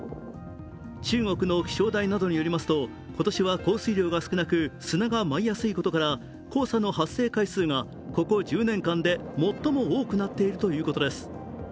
中国の気象台などによりますと今年は降水量が少なく、砂が舞いやすいことから黄砂の発生回数がここ１０年間で最も多くなっているということです。